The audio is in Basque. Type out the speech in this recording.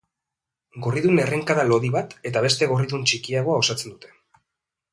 Gorridun errenkada lodi bat eta beste gorridun txikiagoa osatzen dute.